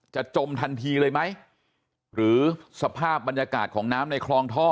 จมทันทีเลยไหมหรือสภาพบรรยากาศของน้ำในคลองท่อ